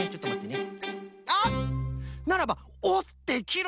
あっならばおってきる